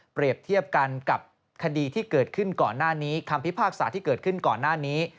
เทียบกันกับคดีที่เกิดขึ้นก่อนหน้านี้คำพิพากษาที่เกิดขึ้นก่อนหน้านี้